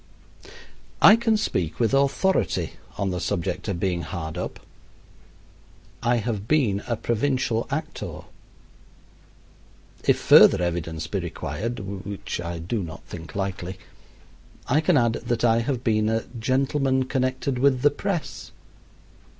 I can speak with authority on the subject of being hard up. I have been a provincial actor. If further evidence be required, which I do not think likely, I can add that I have been a "gentleman connected with the press."